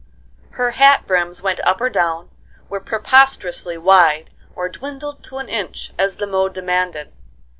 Her hat brims went up or down, were preposterously wide or dwindled to an inch, as the mode demanded.